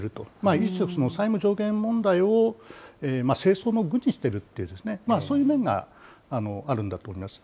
一種、債務上限問題を政争の具にしている、そういう面があるんだと思います。